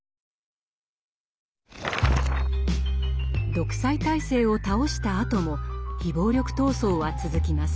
独裁体制を倒したあとも非暴力闘争は続きます。